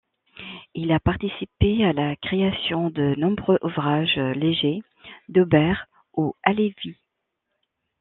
Il a participé à la création de nombreux ouvrages légers d’Auber ou Halévy.